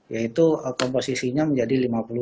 yaitu komposisinya menjadi